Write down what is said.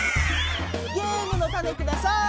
ゲームのタネください。